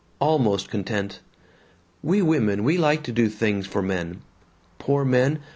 ... Almost content! "We women, we like to do things for men. Poor men!